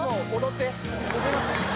踊ります？